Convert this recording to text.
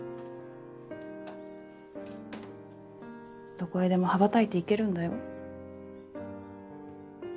どこへでも羽ばたいていけるんだよ。